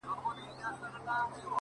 • دوه او درې ځایه یې تور وو غوړولی ,